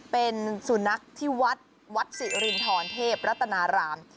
เป็นสุนัขที่วัดวัดสิรินทรเทพรัตนาราม